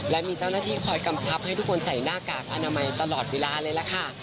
และมีเจ้าหน้าที่คอยกำชับให้ทุกคนใส่หน้ากากอนามัยตลอดเวลาเลยล่ะค่ะ